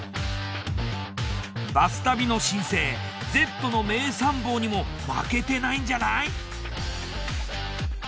バス旅の新星Ｚの名参謀にも負けてないんじゃない？